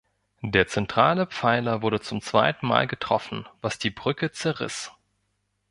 Der zentrale Pfeiler wurde zum zweiten Mal getroffen, was die Brücke zerriss.